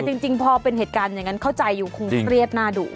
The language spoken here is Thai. จริงพอเป็นเหตุการณ์อย่างนั้นเข้าใจอยู่คงเครียดหน้าดุ